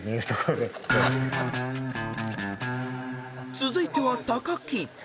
［続いては木］